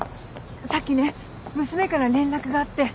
さっきね娘から連絡があって。